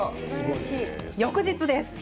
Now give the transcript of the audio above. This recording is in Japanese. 翌日です。